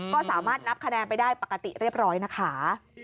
ก็สามารถนับคะแนนไปได้ปกติเรียบร้อยนะคะ